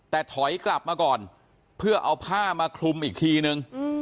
แต่ถอยกลับมาก่อนเพื่อเอาผ้ามาคลุมอีกทีนึง